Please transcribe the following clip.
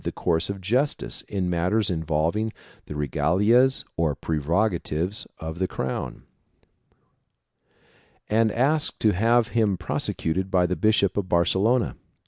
V] ABUSES CONTINUE 287 course of justice in matters involving the regalias or preroga tives of the crown, and asked to have him prosecuted by the Bishop of Barcelona.